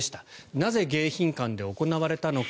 なぜ、迎賓館で行われたのか。